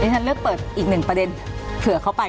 ฉันเลือกเปิดอีกหนึ่งประเด็นเผื่อเข้าไป